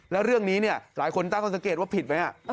แล้วเรื่องนี้เนี่ยหลายคนตั้งความสังเกตว่าผิดไหม